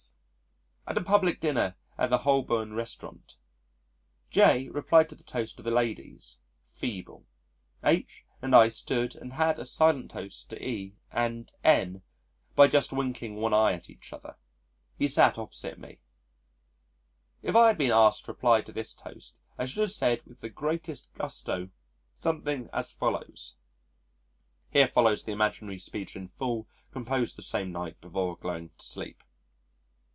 [At a public dinner at the Holborn Restaurant] J replied to the toast of the Ladies. Feeble! H and I stood and had a silent toast to E and N by just winking one eye at each other. He sat opposite me. If I had been asked to reply to this toast I should have said with the greatest gusto, something as follows, [Here follows the imaginary speech in full, composed the same night before going to sleep.